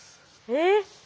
えっ。